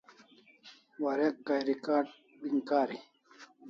Warek Kai recoding kari